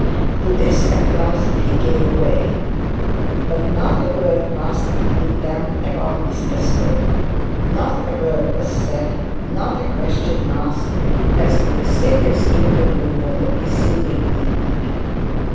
To this at last he gave way; but not a word passed between them about Mr Slope not a word was said, not a question asked as to the serious interview on the preceding evening.